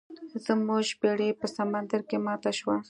زموږ بیړۍ په سمندر کې ماته شوه.